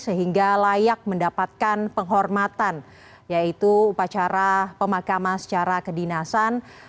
sehingga layak mendapatkan penghormatan yaitu upacara pemakaman secara kedinasan